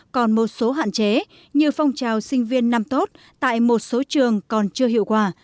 còn một số hạn chế như phong trào sinh viên năm tốt tại một số trường còn chưa hiệu quả